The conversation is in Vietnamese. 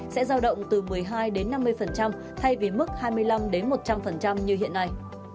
sẽ giao động từ một mươi hai đến năm mươi thay vì mức hai mươi năm một trăm linh như hiện nay